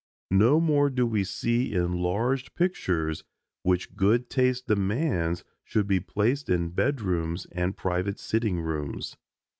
No more do we see enlarged pictures which good taste demands should be placed in bedrooms and private sitting rooms.